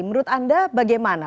menurut anda bagaimana